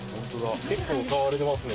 結構買われてますね。